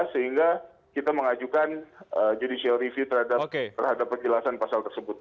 sehingga kita mengajukan judicial review terhadap penjelasan pasal tersebut